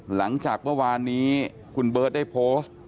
หลังจากเมื่อวานนี้คุณเบิร์ตได้โพสต์